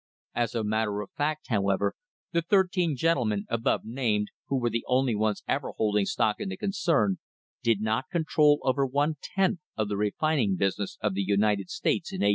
As a matter of fact, however, the thirteen gentlemen above named, who were the only ones ever holding stock in the concern, did not con trol over one tenth of the refining business of the United States in 1872.